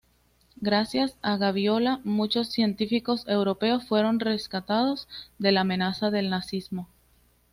Gracias a Gaviola muchos científicos europeos fueron rescatados de la amenaza del nazismo.